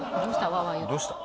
どうした？